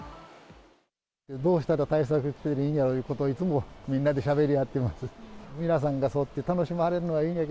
どうしたら対策していいのやらと、いつもみんなでしゃべり合ってます。